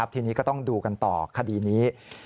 ทีนี้ก็ต้องดูกันต่อคดีนี้